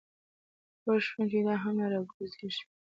پوی شوم چې دا هم نه راکوزېږي.